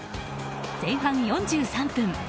前半４３分。